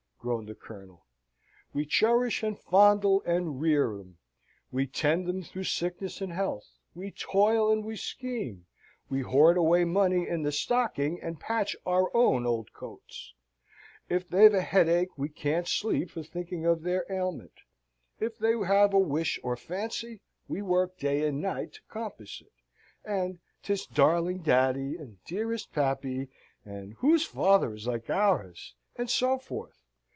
groaned the Colonel. "We cherish and fondle and rear 'em: we tend them through sickness and health: we toil and we scheme: we hoard away money in the stocking, and patch our own old coats: if they've a headache we can't sleep for thinking of their ailment; if they have a wish or fancy, we work day and night to compass it, and 'tis darling daddy and dearest pappy, and whose father is like ours? and so forth.